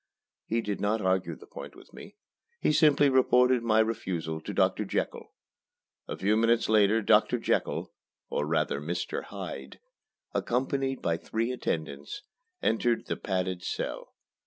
He did not argue the point with me. He simply reported my refusal to Doctor Jekyll. A few minutes later Doctor Jekyll or rather Mr. Hyde accompanied by three attendants, entered the padded cell.